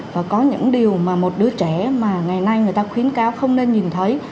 và có những điều mà một đứa trẻ mà ngày nay người ta khuyến cáo không nên nhìn thấy